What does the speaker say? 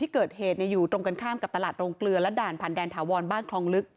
ที่เกิดเหตุอยู่ตรงกันข้ามกับตลาดโรงเกลือและด่านผ่านแดนถาวรบ้านคลองลึก